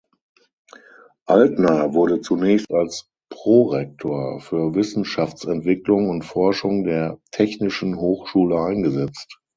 Altner wurde zunächst als Prorektor für Wissenschaftsentwicklung und Forschung der Technischen Hochschule eingesetzt.